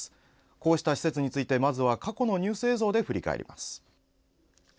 こうした施設についてまずは過去のニュース映像で振り返ります。